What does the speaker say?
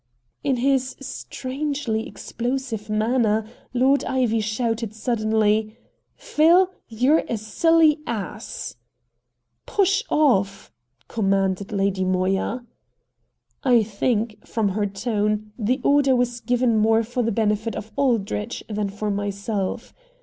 In his strangely explosive manner Lord Ivy shouted suddenly: "Phil, you're a silly ass." "Push off!" commanded Lady Moya. I think, from her tone, the order was given more for the benefit of Aldrich than for myself.